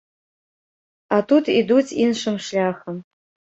А тут ідуць іншым шляхам.